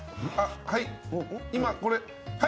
はい。